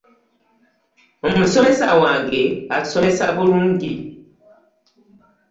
Omusomesa wange asomesa bulungi.